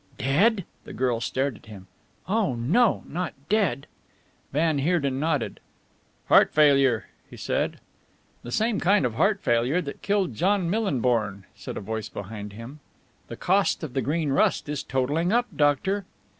"Dead!" the girl stared at him. "Oh no! Not dead!" Van Heerden nodded. "Heart failure," he said. "The same kind of heart failure that killed John Millinborn," said a voice behind him. "The cost of the Green Rust is totalling up, doctor."